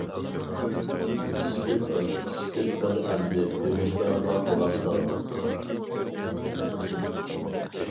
سۈكۈت قىل؟ سۈكۈت قىل ئەمدى تىۋىشلارغا قۇلاق سال!